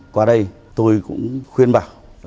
qua đây tôi cũng khuyên bảo